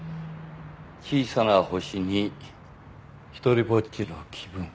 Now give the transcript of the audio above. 小さな星に一人ぼっちの気分